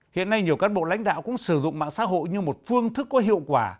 hiện nay nhiều cán bộ lãnh đạo cũng sử dụng mạng xã hội như một phương thức có hiệu quả